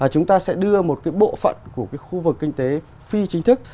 chúng ta sẽ đưa một cái bộ phận của cái khu vực kinh tế phi chính thức